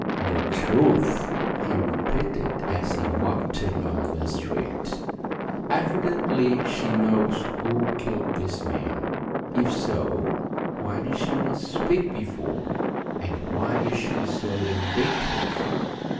"The truth," he repeated, as he walked along the street. "Evidently she knows who killed this man. If so, why did she not speak before, and why is she so vindictive?